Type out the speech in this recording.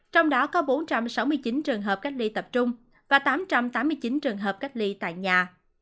trong đó có bốn trăm sáu mươi chín trường hợp cách ly tập trung và tám trăm tám mươi chín trường hợp cách ly tại nhà